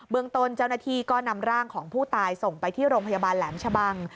เมืองต้นเจ้าหน้าที่ก็นำร่างของผู้ตายส่งไปที่โรงพยาบาลแหลมชะบัง